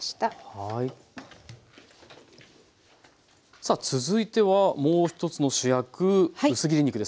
さあ続いてはもう一つの主役薄切り肉ですね。